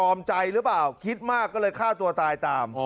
ใจหรือเปล่าคิดมากก็เลยฆ่าตัวตายตาม